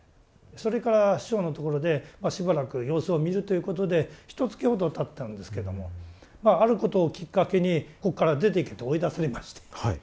それから師匠のところでしばらく様子を見るということでひとつきほどたったんですけどもあることをきっかけにここから出て行けって追い出されまして。